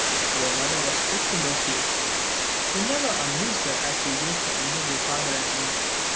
Your mother was strict in those days; you never amused her as you used to amuse your father and me.